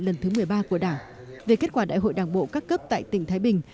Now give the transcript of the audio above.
lần thứ một mươi ba của đảng về kết quả đại hội đảng bộ các cấp tại tỉnh thái bình